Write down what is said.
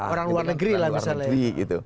orang luar negeri lah misalnya